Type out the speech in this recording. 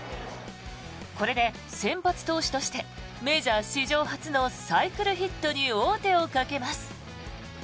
これで先発投手としてメジャー史上初のサイクルヒットに王手をかけます。